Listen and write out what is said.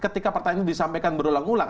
ketika pertanyaan ini disampaikan berulang ulang